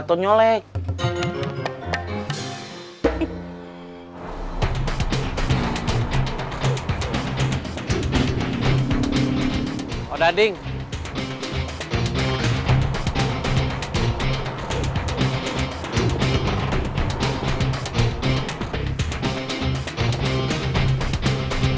kalau kamu tau siapa dia